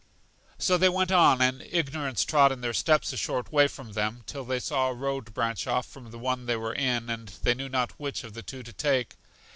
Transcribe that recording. So they went on, and Ignorance trod in their steps a short way from them, till they saw a road branch off from the one they were in, and they knew not which of the two to take.